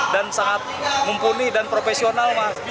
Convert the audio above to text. dan sangat mumpuni dan profesional mas